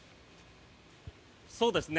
そうですね。